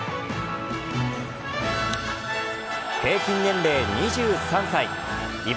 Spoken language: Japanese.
平均年齢２３歳井端